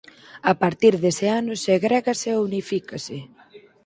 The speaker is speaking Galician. A partir dese ano segrégase e unifícase.